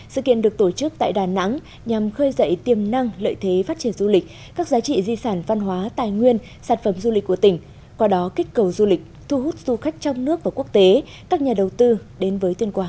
sự kiện được tổ chức tại đà nẵng nhằm khơi dậy tiềm năng lợi thế phát triển du lịch các giá trị di sản văn hóa tài nguyên sản phẩm du lịch của tỉnh qua đó kích cầu du lịch thu hút du khách trong nước và quốc tế các nhà đầu tư đến với tuyên quang